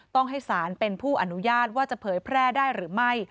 ต้องให้สารเป็นผู้อนุญาตว่าจะเผยแพร่ได้หรือไม่